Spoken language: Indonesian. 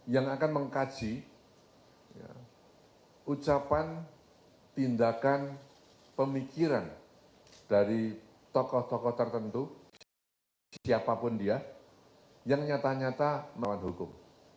yang akan mengkaji ucapan tindakan pemikiran dari tokoh tokoh tertentu siapapun dia yang nyata nyata melawan hukum